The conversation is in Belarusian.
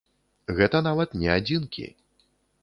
Гэта нават не адзінкі.